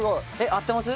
合ってます？